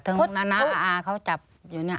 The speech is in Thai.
เท่านั้นอ่าเขาจับอยู่เนี่ย